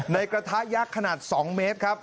ในกระทะยากขนาด๒เมตรครับ